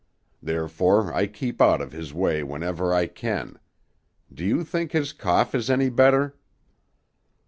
Therefore I keep out of his way whenever I can. Do you think his cough is any better?"